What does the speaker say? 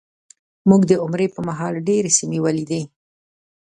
موږ د عمرې په مهال ډېرې سیمې ولیدې.